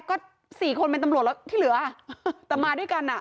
ก็สี่คนเป็นตำรวจแล้วที่เหลือแต่มาด้วยกันอ่ะ